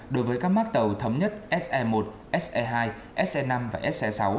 đối với các mát tàu thấm nhất se một se hai se năm và se sáu